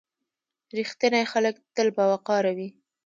• رښتیني خلک تل باوقاره وي.